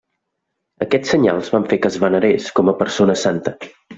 Aquests senyals van fer que es venerés com a persona santa.